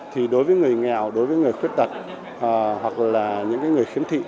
thì đối với người nghèo đối với người khuyết tật hoặc là những người khiếm thị